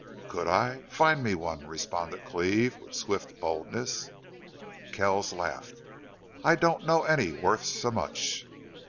"Could I? Find me one," responded Cleve, with swift boldness. Kells laughed. "I don't know any worth so much."